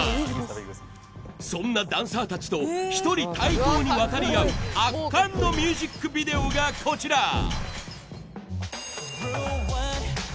そんなダンサーたちと１人対等に渡り合う圧巻のミュージックビデオがこちら。